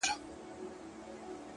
په سپوږمۍ كي زمـــا ژوندون دى،